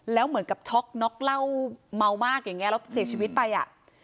แล้วเหมือนกับช็อกน็อกเหล้าเมามากอย่างเงี้แล้วเสียชีวิตไปอ่ะ